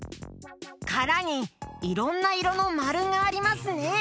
からにいろんないろのまるがありますね！